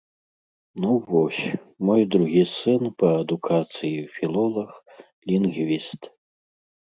Ну вось, мой другі сын па адукацыі філолаг, лінгвіст.